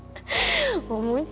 面白い。